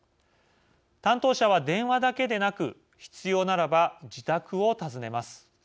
担当者は電話だけでなく必要ならば自宅を訪ねます。